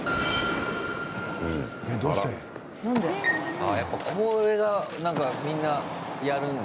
ああ、やっぱ、これが何か、みんな、やるんだ。